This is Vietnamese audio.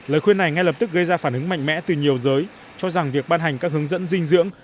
lời khuyên này ngay lập tức gây ra phản ứng mạnh mẽ từ nhiều giới cho rằng việc ban hành các hướng dẫn dinh dưỡng